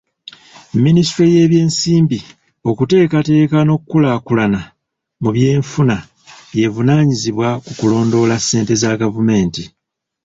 Minisitule y'ebyensimbi, okuteekateeka n'okukulaakulana mu byenfuna y'evunaanyizibwa ku kulondoola ssente za gavumenti.